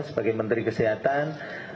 sebagai menteri kesehatan